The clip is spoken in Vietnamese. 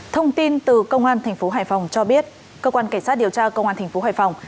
thông tin từ công an tp hải phòng cho biết cơ quan cảnh sát điều tra công an thành phố hải phòng